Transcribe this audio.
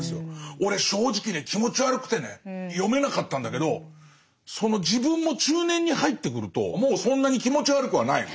俺正直ね気持ち悪くてね読めなかったんだけどその自分も中年に入ってくるともうそんなに気持ち悪くはないの。